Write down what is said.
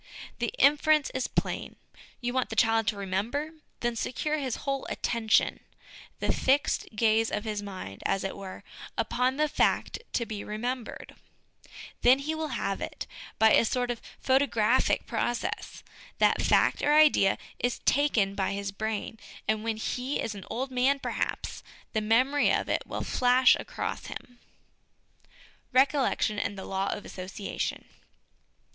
The inference is plain. You want the child to remember? Then secure his whole attention, the fixed gaze of his mind, as it were, upon the fact to be remembered ; then he will have it: by a sort of photographic (!) process, that fact or idea is 'taken ' by his brain, and when he is SOME HABITS OF MIND SOME MORAL HABITS 157 an old man, perhaps, the memory of it will flash across him. Recollection and the Law of Association.